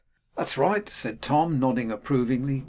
'That's right,' said Tom, nodding approvingly.